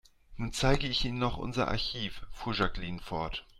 Nun zeige ich Ihnen noch unser Archiv, fuhr Jacqueline fort.